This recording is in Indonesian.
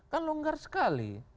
kan longgar sekali